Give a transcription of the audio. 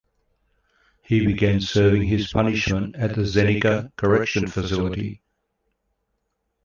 He began serving his punishment at the Zenica correctional facility.